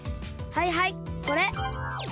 はいはいこれ。